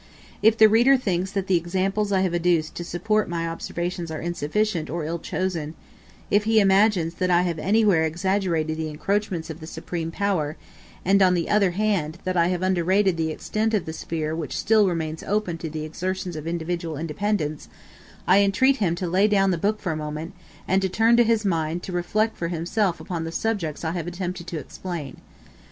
If the reader thinks that the examples I have adduced to support my observations are insufficient or ill chosen if he imagines that I have anywhere exaggerated the encroachments of the supreme power, and, on the other hand, that I have underrated the extent of the sphere which still remains open to the exertions of individual independence, I entreat him to lay down the book for a moment, and to turn his mind to reflect for himself upon the subjects I have attempted to explain.